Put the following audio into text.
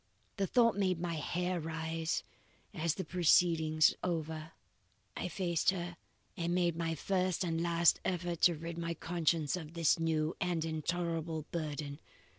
The thought made my hair rise, as the proceedings over, I faced her and made my first and last effort to rid my conscience of its new and intolerable burden.